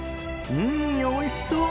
うんおいしそう！